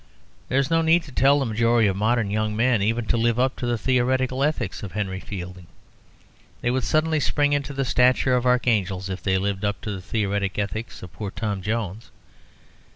There is no need to tell the majority of modern young men even to live up to the theoretical ethics of Henry Fielding. They would suddenly spring into the stature of archangels if they lived up to the theoretic ethics of poor Tom Jones.